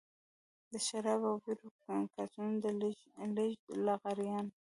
د شرابو او بيرو د کارټنونو د لېږد لغړيان.